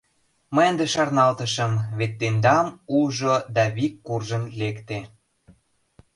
— Мый ынде шарналтышым, вет тендам ужо да вик куржын лекте.